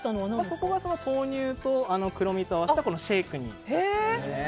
そこは豆乳と黒蜜を合わせてシェイクに。